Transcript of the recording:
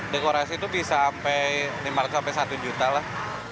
dekorasi tuh bisa sampai satu juta lah